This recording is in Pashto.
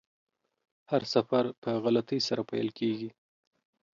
هر سفر په غلطۍ سره پیل کیږي.